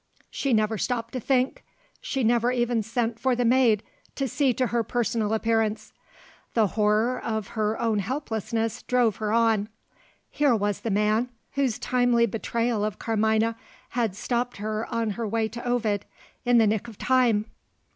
She never stopped to think. She never even sent for the maid to see to her personal appearance. The horror of her own helplessness drove her on. Here was the man, whose timely betrayal of Carmina had stopped her on her way to Ovid, in the nick of time!